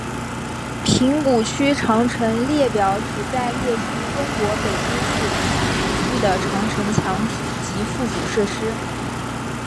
平谷区长城列表旨在列出中国北京市平谷区的长城墙体及附属设施。